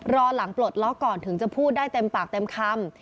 รอหลังปลดล็อกก่อนถึงจะพูดได้เต็มปากเต็มคำ